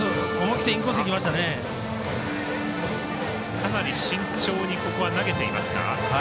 かなり慎重に投げていますか。